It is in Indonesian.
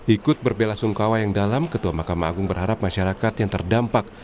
ikut berbela sungkawa yang dalam ketua mahkamah agung berharap masyarakat yang terdampak